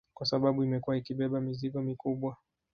Kwa sababu imekuwa ikibeba mizigo mikubwa